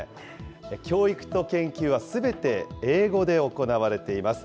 教育と研究はすべて英語で行われています。